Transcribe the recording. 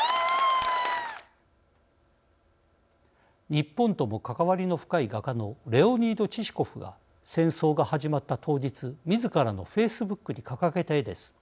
日本とも関わりの深い画家のレオニード・チシコフが戦争が始まった当日みずからのフェイスブックに掲げた絵です。